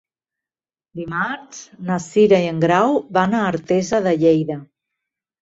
Dimarts na Cira i en Grau van a Artesa de Lleida.